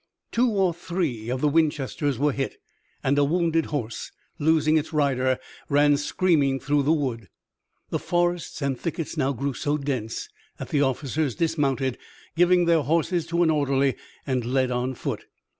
Two or three of the Winchesters were hit, and a wounded horse, losing its rider, ran screaming through the wood. The forest and thickets now grew so dense that the officers dismounted, giving their horses to an orderly, and led on foot.